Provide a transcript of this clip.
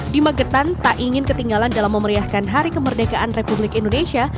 di magetan tak ingin ketinggalan dalam memeriahkan hari kemerdekaan republik indonesia